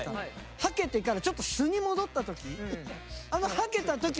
はけてからちょっと素に戻った時。